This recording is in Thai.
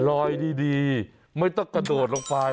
ลอยดีไม่ต้องกระโดดลงไป